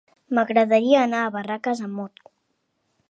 M'agradaria anar a Barraques amb moto.